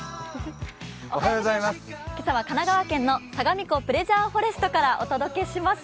今朝は神奈川県のさがみ湖プレジャーフォレストからお届けします。